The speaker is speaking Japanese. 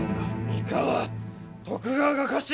三河徳川が家臣！